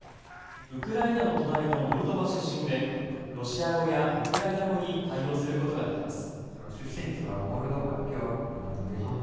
ウクライナの隣のモルドバ出身でロシア語やウクライナ語に対応することができます。